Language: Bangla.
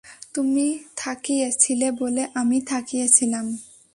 তুমি থাকিয়ে ছিলে বলে আমি থাকিয়ে ছিলাম।